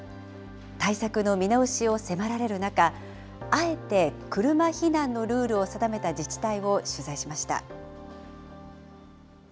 対策の見直しを迫られる中、あえて車避難のルールを定めた自治体を取材しました。